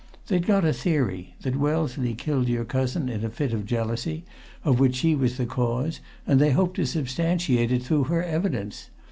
They'd got a theory that Wellesley killed your cousin in a fit of jealousy, of which she was the cause, and they hoped to substantiate it through her evidence.